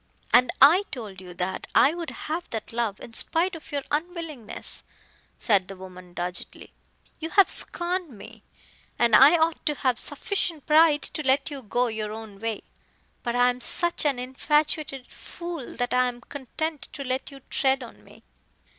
"And I told you that I would have that love in spite of your unwillingness," said the woman doggedly. "You have scorned me, and I ought to have sufficient pride to let you go your own way. But I am such an infatuated fool that I am content to let you tread on me."